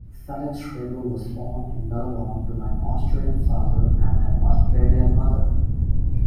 Felix Riebl was born in Melbourne to an Austrian father and an Australian mother.